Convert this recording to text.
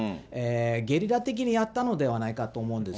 ゲリラ的にやったのではないかと思うんです。